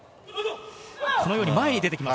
このように前に出てきます。